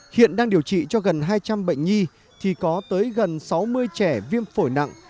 hiện đang điều trị cho gần hai trăm linh bệnh nhi thì có tới gần sáu mươi trẻ viêm phổi nặng